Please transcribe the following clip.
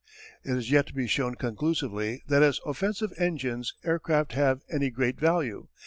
] It is yet to be shown conclusively that as offensive engines aircraft have any great value.